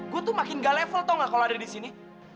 gue tuh makin gak level tau gak kalau ada disini